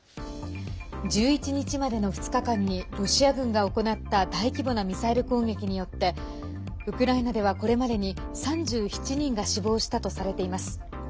１１日までの２日間にロシア軍が行った大規模なミサイル攻撃によってウクライナではこれまでに３７人が死亡したとされています。